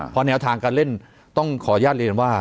เพราะแนวทางการเล่นต้องขออนุญาตเรียนว่า